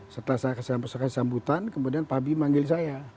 setelah saya kesempatan sambutan kemudian pak habibie manggil saya